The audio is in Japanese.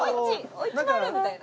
おいちまる！」みたいな。